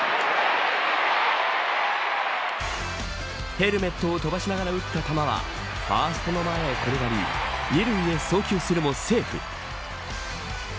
ヘルメットを飛ばしながら打った球はファーストの前へ転がり二塁へ送球するもセーフ。